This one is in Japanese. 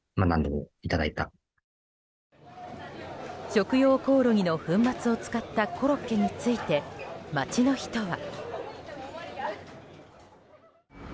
食用コオロギの粉末を使ったコロッケについて、街の人は。